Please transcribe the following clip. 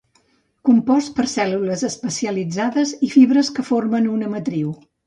Compost per cèl·lules especialitzades i fibres que formen una matriu.